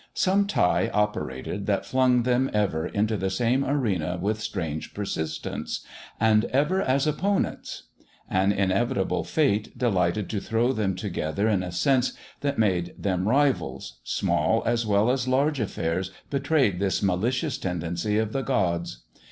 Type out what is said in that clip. Some tie operated that flung them ever into the same arena with strange persistence, and ever as opponents. An inevitable fate delighted to throw them together in a sense that made them rivals; small as well as large affairs betrayed this malicious tendency of the gods.